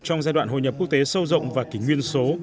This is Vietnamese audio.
trong giai đoạn hội nhập quốc tế sâu rộng và kỷ nguyên số